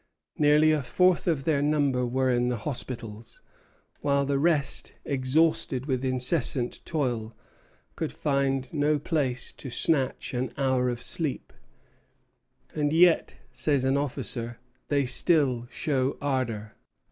Nearly a fourth of their number were in the hospitals; while the rest, exhausted with incessant toil, could find no place to snatch an hour of sleep; "and yet," says an officer, "they still show ardor."